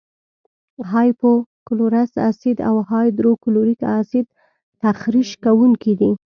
هایپو کلورس اسید او هایدروکلوریک اسید تخریش کوونکي دي.